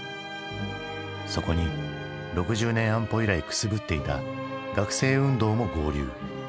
そこに６０年安保以来くすぶっていた学生運動も合流。